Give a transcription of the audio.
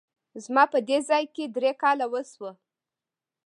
زما په دې ځای کي درې کاله وشوه !